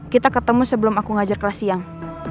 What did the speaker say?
kita ketemu sebelum aku ngajar kelas siang